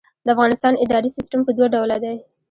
د افغانستان اداري سیسټم په دوه ډوله دی.